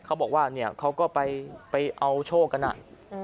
เขาบอกว่าเนี่ยเขาก็ไปเอาโชคกันอ่ะ